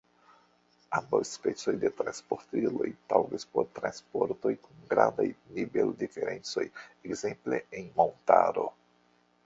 Ambaŭ specoj de transportiloj taŭgas por transportoj kun grandaj nivel-diferencoj, ekzemple en montaro.